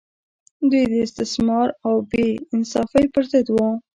دوی د استثمار او بې انصافۍ پر ضد وو.